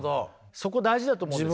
そこ大事だと思うんですよね。